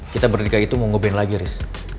kita berdekat itu mau nge ban lagi riz